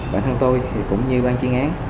bản thân tôi cũng như ban chiến án